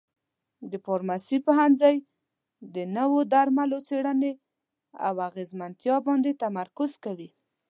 د فارمسي پوهنځی د نوو درملو څېړنې او اغیزمنتیا باندې تمرکز کوي.